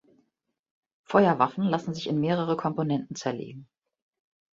Feuerwaffen lassen sich in mehrere Komponenten zerlegen.